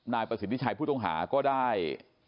นายประสิทธิชัยผู้ต้องหาก็ได้